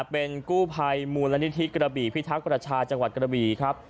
เป็นกู้ภัยมูลนิธิกระบี่พิทักษ์ประชาจังหวัดกระบีครับ